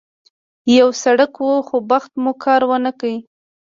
یو سړک و، خو بخت مو کار ونه کړ.